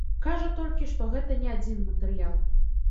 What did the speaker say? Кажа толькі, што гэта не адзін матэрыял.